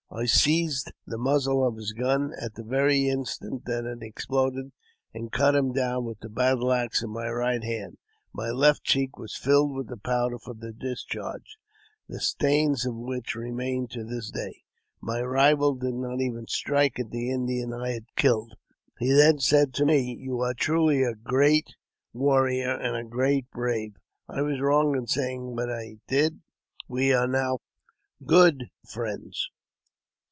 I seized the muzzle of his gun at the very instant that it exploded, and cut him down with the battle axe in my right hand. My left cheek was filled with the powder from the discharge, the stains of which 3n ] I JAMES P. BECKWOUBTH. 155 remain to this day. My rival did not even strike at the Indian I had killed. He then said to me, " You are truly a great v^arrior and a great brave ; I was wrong in saying what I did. We are now good friends."